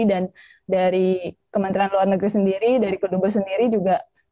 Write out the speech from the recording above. dan dari kementerian luar negeri sendiri dari kudubes sendiri juga